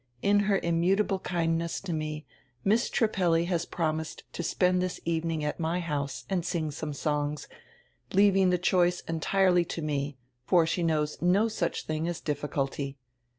In her immutable kindness to me, Miss Trippelli has promised to spend diis evening at my house and sing some songs, leaving the choice entirely to me, for she knows no such tiling as difficulty.